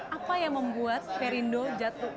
apa yang membuat perindo jatuh